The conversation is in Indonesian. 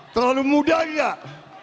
terlalu muda nggak